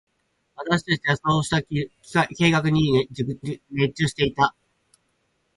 私達はそうした計画に熱中していた。